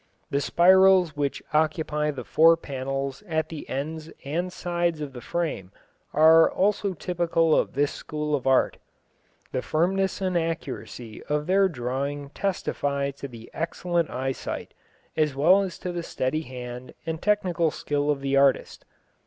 The spirals which occupy the four panels at the ends and sides of the frame are also typical of this school of art. The firmness and accuracy of their drawing testify to the excellent eyesight as well as to the steady hand and technical skill of the artist.